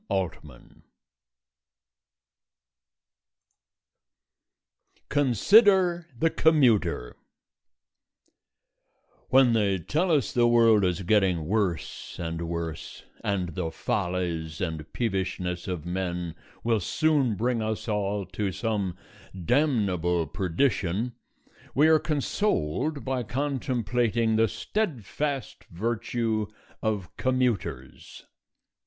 CONSIDER THE COMMUTER When they tell us the world is getting worse and worse, and the follies and peevishness of men will soon bring us all to some damnable perdition, we are consoled by contemplating the steadfast virtue of commuters.